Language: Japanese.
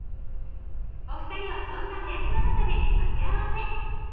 お二人はそんな林の中で待ち合わせ。